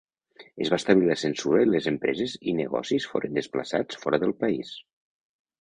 Es va establir la censura i les empreses i negocis foren desplaçats fora del país.